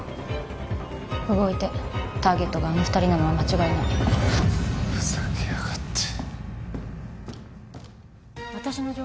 動いてターゲットがあの二人なのは間違いないふざけやがって！